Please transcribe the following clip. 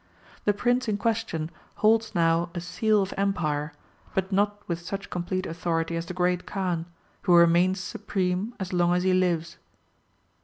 ]^^ The Prince in question holds now a Seal of Empire, but not with such complete authority as the Great Kaan, who remains supreme as long as he lives.